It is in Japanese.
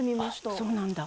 あそうなんだ。